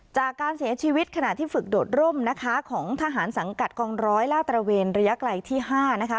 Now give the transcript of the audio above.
จากการเสียชีวิตขณะที่ฝึกโดดร่มนะคะของทหารสังกัดกองร้อยล่าตระเวนระยะไกลที่๕นะคะ